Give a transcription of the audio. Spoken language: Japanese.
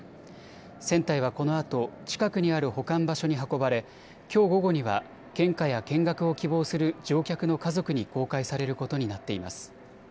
船体はこのあと近くにある保管場所に運ばれきょう午後には献花や見学を希望する乗客の家族に公開されることになっています。